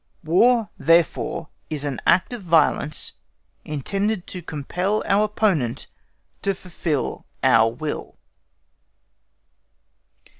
_War therefore is an act of violence intended to compel our opponent to fulfil our will.